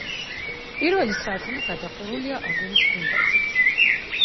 პირველი სართული გადახურულია აგურის გუმბათით.